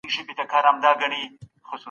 دا هغه رتبه ده چي ابن خلدون په نړۍ کي لري.